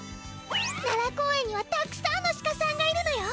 奈良公園にはたくさんのシカさんがいるのよ。